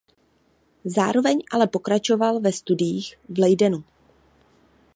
Zároveň ale pokračoval ve studiích v Leidenu.